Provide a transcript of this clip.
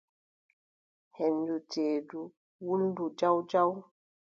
Henndu ceeɗu wulndu jaw jaw.